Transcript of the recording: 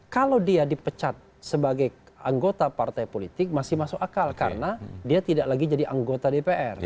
kalau dia dipecat sebagai anggota partai politik masih masuk akal karena dia tidak lagi jadi anggota dpr